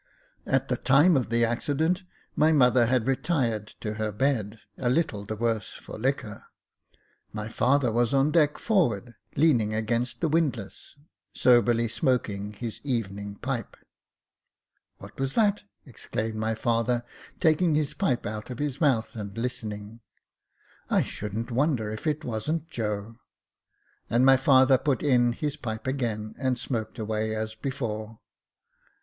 At the time of the accident, my mother had retired to her bed, a little the worse for liquor ; my father was on deck forward, leaning against the windlass, soberly smoking his evening pipe. " What was that ?" exclaimed my father, taking his pipe out of his mouth, and listening ;" I shouldn't wonder if it wasn't Joe." And my father put in his pipe again, and smoked away as before.